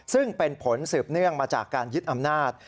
ซึ่งเป็นผลสืบเนื่องมาจากการยึดอำนาจ